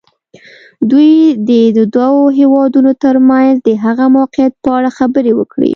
دوی دې د دوو هېوادونو تر منځ د هغه موقعیت په اړه خبرې وکړي.